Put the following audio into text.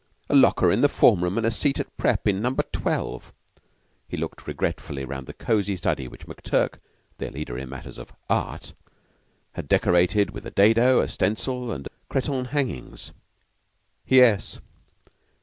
A locker in the form room, and a seat at prep. in Number Twelve." (He looked regretfully round the cozy study which McTurk, their leader in matters of Art, had decorated with a dado, a stencil, and cretonne hangings.) "Yes!